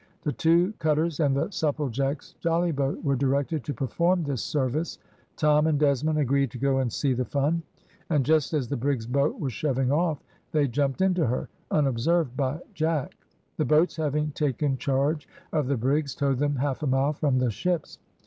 The two cutters and the Supplejack's jollyboat were directed to perform this service. Tom and Desmond agreed to go and see the fun, and just as the brig's boat was shoving off they jumped into her, unobserved by Jack. The boats having taken charge of the brigs, towed them half a mile from the ships.